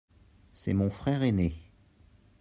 C'est mon frère ainé.